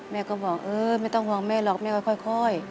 แม่ก็บอกเออไม่ต้องห่วงแม่หรอกแม่ค่อย